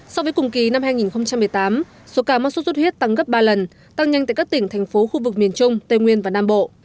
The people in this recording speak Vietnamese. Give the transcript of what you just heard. so với cùng kỳ năm hai nghìn một mươi tám số ca mắc sốt xuất huyết tăng gấp ba lần tăng nhanh tại các tỉnh thành phố khu vực miền trung tây nguyên và nam bộ